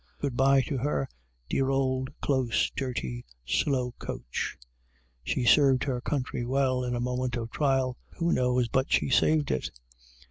good by to her, dear old, close, dirty, slow coach! She served her country well in a moment of trial. Who knows but she saved it?